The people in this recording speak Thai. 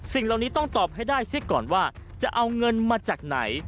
สิ่งเหล่านี้ต้องตอบให้ได้ซิก่อนว่าจะเอาเงินมาจากไหน